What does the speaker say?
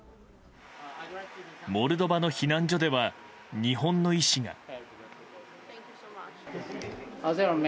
モルドバの避難所では日本の医師が。